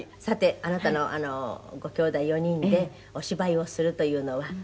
「さてあなたのごきょうだい４人でお芝居をするというのは」